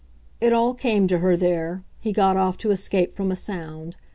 It all came to her there he got off to escape from a sound.